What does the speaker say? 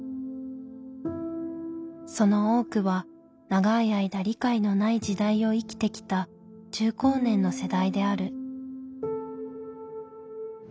その多くは長い間理解のない時代を生きてきた中高年の世代である。